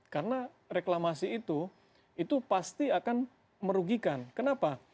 karena reklamasi itu itu pasti akan merugikan kenapa